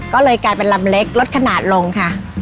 ก็เลยกลายเป็นลำเล็กลดขนาดลงค่ะ